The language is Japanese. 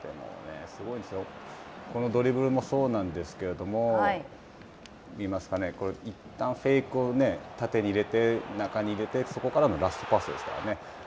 このドリブルもそうなんですけれども、いったんフェイクを縦に入れて中に入れてそこからのラストパスですからね。